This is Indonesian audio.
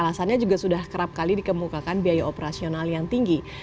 alasannya juga sudah kerap kali dikemukakan biaya operasional yang tinggi